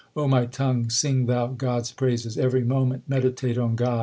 O my tongue, sing thou God s praises ; Every moment meditate on God.